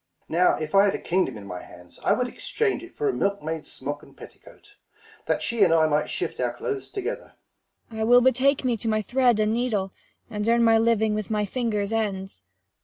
Mum. Now if I had a kingdom in my hands, I would exchange it for a milkmaid's smock and petticoat, That she and I might shift our clothes together. 35 Cor. I will betake me to my thread and needle, And earn my living with my fingers' ends.